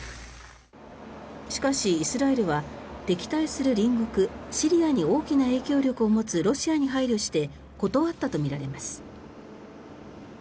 しかし、イスラエルは敵対する隣国シリアに大きな影響力を持つロシアに配慮して断ったとみられます。